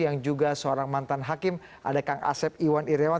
yang juga seorang mantan hakim ada kang asep iwan iryawan